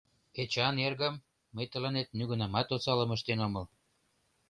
— Эчан эргым, мый тыланет нигунамат осалым ыштен омыл.